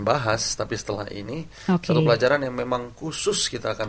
mari berjalan ke sion